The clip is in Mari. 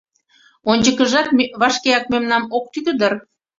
Ончыкыжат вашкеак мемнам ок тӱкӧ дыр?